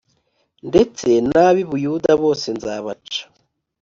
ndetse n ab i buyuda bose nzabaca